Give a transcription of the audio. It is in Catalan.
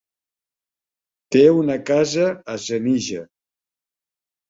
Té una casa a Senija.